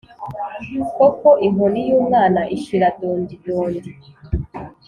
koko inkoni y’umwana ishira dondidondi